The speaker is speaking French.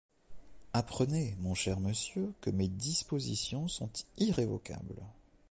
Apprenez, mon cher monsieur, que mes dispositions sont irrévocables.